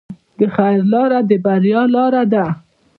د خیر لاره د بریا لاره ده.